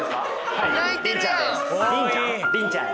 はいりんちゃん？